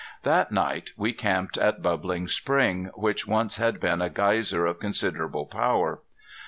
That night we camped at Bubbling Spring, which once had been a geyser of considerable power.